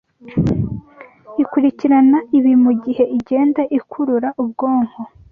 ikurikirana ibi mugihe igenda ikurura ubwonko